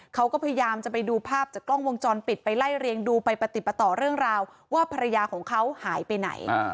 เขาก็พยายามจะไปดูภาพจากกล้องวงจรปิดไปไล่เรียงดูไปปฏิปต่อเรื่องราวว่าภรรยาของเขาหายไปไหน